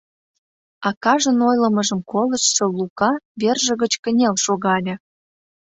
Акажын ойлымыжым колыштшо Лука верже гыч кынел шогале: